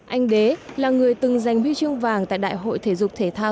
anh đế là người từng giành huy chương vàng tại đại hội thể dục thể thao